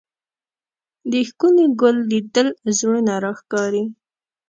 د ښکلي ګل لیدل زړونه راښکاري